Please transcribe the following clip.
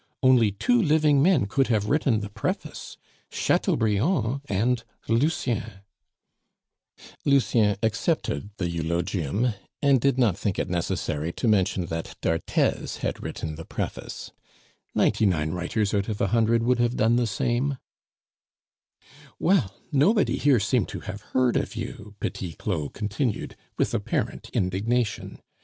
Only two living men could have written the preface Chateaubriand and Lucien." Lucien accepted that d'Arthez had written the preface. Ninety nine writers out of a hundred would have done the same. "Well, nobody here seemed to have heard of you!" Petit Claud continued, with apparent indignation.